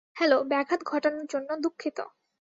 Hello, ব্যাঘাত ঘটানোর জন্য দুঃখিত।